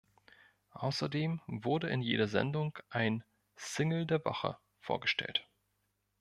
Außerdem wurde in jeder Sendung ein „Single der Woche“ vorgestellt.